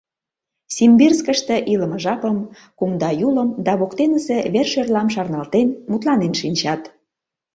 Симбирскыште илыме жапым, кумда Юлым да воктенысе вер-шӧрлам шарналтен, мутланен шинчат.